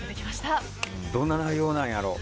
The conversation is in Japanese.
どんな内容なんやろう？